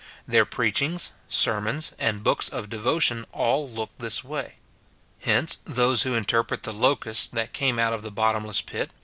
Tlieir preach ings, sermons, and books of devotion, all look this way. Hence, those who interpret the locusts that came out of the bottomless pit.